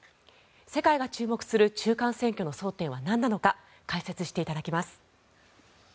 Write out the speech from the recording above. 世界が注目する中間選挙の争点はなんなのか解説していただきます。